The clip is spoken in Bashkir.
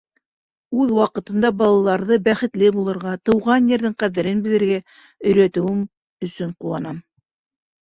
Үҙ ваҡытында балаларҙы бәхетле булырға, тыуған ерҙең ҡәҙерен белергә өйрәтеүем өсөн ҡыуанам.